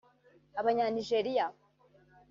abanya Nigeria